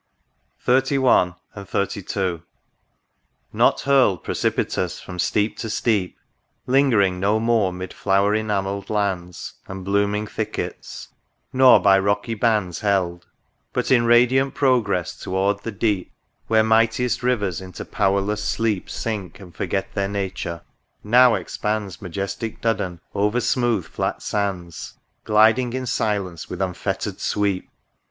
THE RIVER DUDDON, 33 XXXI. Not hurled precipitous from steep to steep ; Lingering no more mid flower enamelled lands And blooming thickets ; nor by rocky bands Held; — but in radiant progress toward the Deep Where mightiest rivers into powerless sleep Sink, and forget their nature ;— 7iow expands Majestic Duddon, over smooth flat sands, Gliding in silence with unfettered sweep